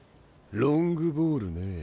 ロングボールねえ。